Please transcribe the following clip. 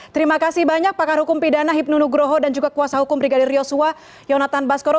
terima kasih banyak pakar hukum pidana hipnu nugroho dan juga kuasa hukum brigadir yosua yonatan baskoro